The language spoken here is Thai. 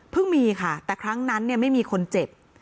มีค่ะแต่ครั้งนั้นเนี่ยไม่มีคนเจ็บ